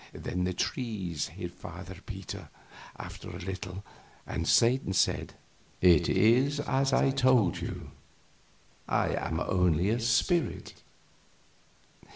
Then the trees hid Father Peter after a little, and Satan said: "It is as I told you I am only a spirit."